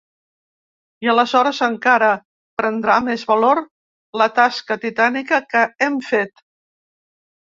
I aleshores encara prendrà més valor la tasca titànica que hem fet.